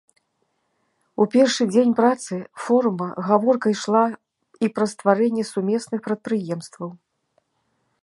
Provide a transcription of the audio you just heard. У першы дзень працы форума гаворка ішла і пра стварэнне сумесных прадпрыемстваў.